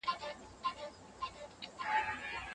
ګوندونه د ولسي ملاتړ لپاره سيالۍ کوي.